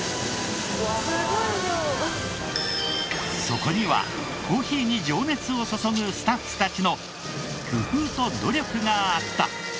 そこにはコーヒーに情熱を注ぐスタッフたちの工夫と努力があった！